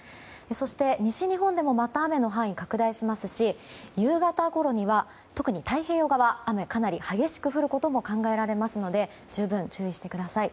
そして、西日本でもまた雨の範囲が拡大しますし、夕方ごろには特に太平洋側雨、かなり激しく降ることも考えられますので十分、注意してください。